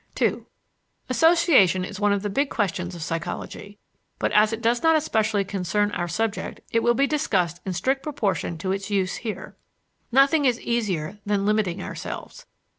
II Association is one of the big questions of psychology; but as it does not especially concern our subject, it will be discussed in strict proportion to its use here. Nothing is easier than limiting ourselves.